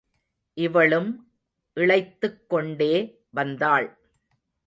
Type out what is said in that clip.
இவளும் இளைத்துக் கொண்டே வந்தாள்.